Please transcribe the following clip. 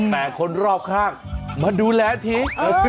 แต่คนรอบข้างมาดูแลที